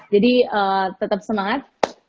jadi tetap semangat